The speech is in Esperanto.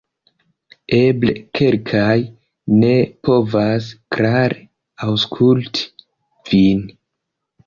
Eble kelkaj ne povas klare aŭskulti vin